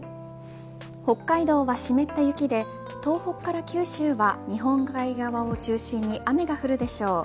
北海道は湿った雪で東北から九州は日本海側を中心に雨が降るでしょう。